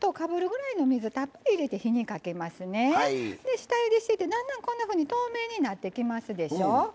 下ゆでしててだんだんこんなふうに透明になってきますでしょ。